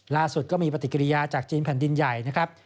ล่าสุดก็มีปฏิกิริยาจากจีนแผ่นดินใหญ่นะครับ